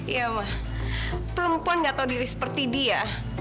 iya ma perempuan nggak tahu diri seperti dia